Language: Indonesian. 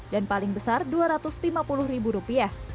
dan paling besar rp dua ratus lima puluh